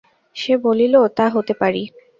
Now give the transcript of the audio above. সে বলিল, তা হতে পারি।